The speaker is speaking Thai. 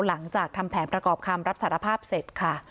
หลังจากทำแผนประกอบคำรับสารภาพเสร็จค่ะ